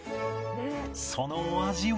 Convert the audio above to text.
そのお味は？